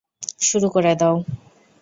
শুরু করে দাও!